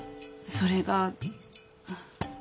それが。